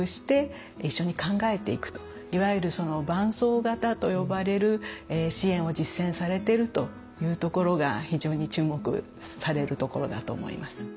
いわゆる「伴走型」と呼ばれる支援を実践されてるというところが非常に注目されるところだと思います。